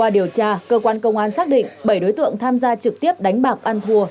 qua điều tra cơ quan công an xác định bảy đối tượng tham gia trực tiếp đánh bạc ăn thua